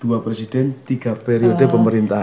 dua presiden tiga periode pemerintahan